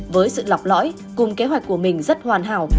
với sự lọc lõi cùng kế hoạch của mình rất hoàn hảo